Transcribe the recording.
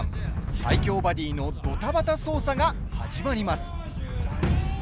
最強バディのドタバタ捜査が始まります。